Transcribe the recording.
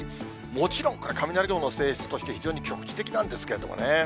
もちろん、これ雷雲の性質として、非常に局地的なんですけどもね。